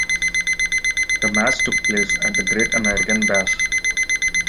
The match took place at The Great American Bash.